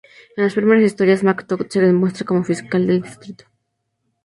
En las primeras historias, Mark Todd se muestra como fiscal del distrito.